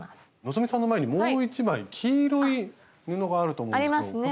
希さんの前にもう１枚黄色い布があると思うんですけど。